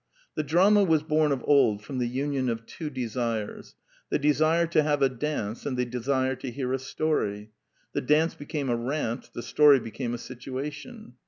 The drama was born of old from the union of two desires: the desire to have a dance and the desire to hear a story. The dance became a rant: the story became a situation.